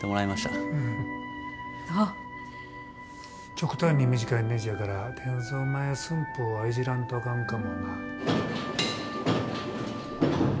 極端に短いねじやから転造前寸法はいじらんとあかんかもな。